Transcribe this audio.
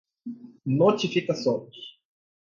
notificações